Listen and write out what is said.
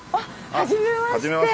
はじめまして。